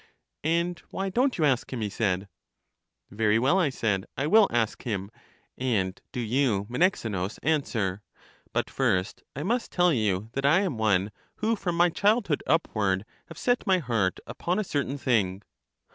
And why don't you ask him? he said. Very well, I said, I will ask him; and do you, Me nexenus, answer. But first I must tell you that I am one who from my childhood upward have set my heart upon a certain thing.